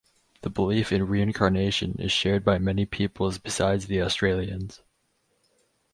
The belief in reincarnation is shared by many peoples besides the Australians.